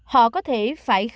họ có thể phải khám bệnh